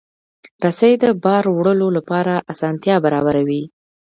رسۍ د بار وړلو لپاره اسانتیا برابروي.